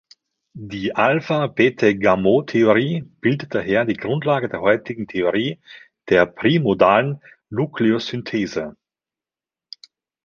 Die Alpher-Bethe-Gamow-Theorie bildet daher die Grundlage der heutigen Theorie der primordialen Nukleosynthese.